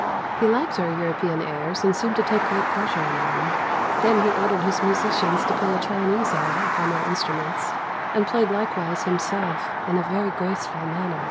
He liked our European airs and seemed to take great pleasure in them. Then he ordered his musicians to play a Chinese air upon their instruments, and played likewise himself in a very graceful manner.